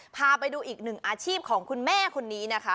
พาไปดูอีกหนึ่งอาชีพของคุณแม่คนนี้นะคะ